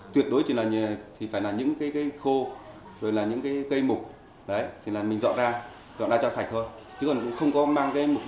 tuyệt đối chỉ là những cây khô cây mục mình dọn ra cho sạch thôi chứ không có mục đích làm gì cả